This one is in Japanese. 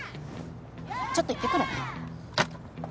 ちょっと言ってくるね。